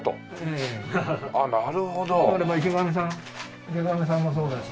だから池上さんもそうだし。